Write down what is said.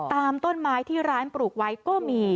ตามต้นไม้ที่ร้านปลูกไว้ก็มี